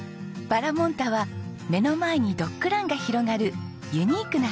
バラモン太は目の前にドッグランが広がるユニークなうどん屋さんです。